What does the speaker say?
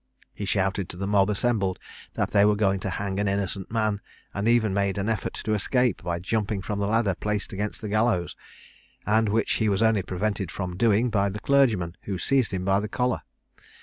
He shouted to the mob assembled, that they were going to hang an innocent man, and even made an effort to escape, by jumping from the ladder placed against the gallows, and which he was only prevented from doing by the clergyman, who seized him by the collar.